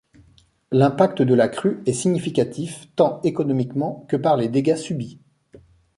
L'impact de la crue est significatif, tant économiquement que par les dégâts subis.